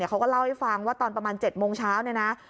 เขาก็เล่าให้ฟังว่าตอนประมาณ๗โมงเช้าเนี่ยนะ